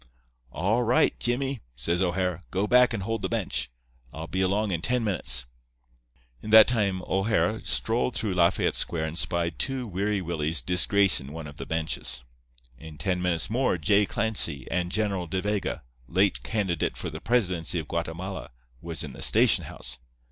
'All right, Jimmy,' says O'Hara. 'Go back and hold the bench. I'll be along in ten minutes.' "In that time O'Hara strolled through Lafayette Square and spied two Weary Willies disgracin' one of the benches. In ten minutes more J. Clancy and General De Vega, late candidate for the presidency of Guatemala, was in the station house.